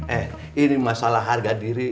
eh ini masalah harga diri